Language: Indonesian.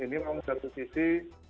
ini memang satu sisi